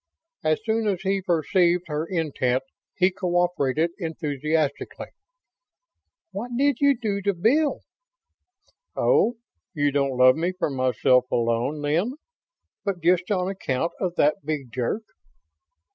As soon as he perceived her intent, he cooperated enthusiastically. "What did you do to Bill?" "Oh, you don't love me for myself alone, then, but just on account of that big jerk?"